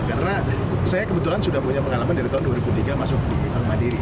karena saya kebetulan sudah punya pengalaman dari tahun dua ribu tiga masuk di al madiri